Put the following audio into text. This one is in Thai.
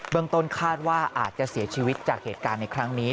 เมืองต้นคาดว่าอาจจะเสียชีวิตจากเหตุการณ์ในครั้งนี้